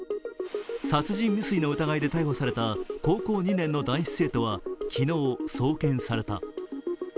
殺人未遂の疑いで逮捕された高校２年の男子生徒は昨日、送検された。